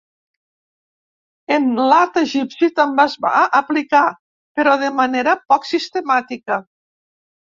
En l'art egipci també es va aplicar, però de manera poc sistemàtica.